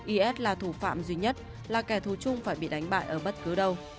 is là thủ phạm duy nhất là kẻ thù chung phải bị đánh bại ở bất cứ đâu